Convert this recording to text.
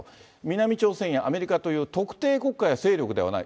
南朝鮮やアメリカという特定国家や勢力ではない。